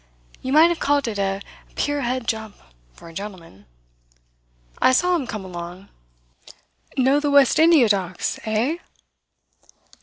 You might have called it a pier head jump for a gentleman. I saw him come along. Know the West India Docks, eh?"